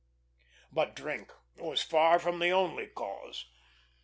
But drink was far from the only cause.